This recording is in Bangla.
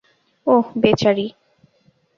ওহ, বেচারি।